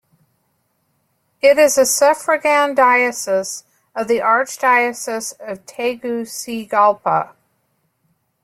It is a suffragan diocese of the Archdiocese of Tegucigalpa.